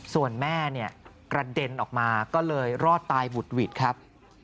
ส่วนแม่เนี่ยกระเด็นออกมาก็เลยรอดตายบุดหวิดครับ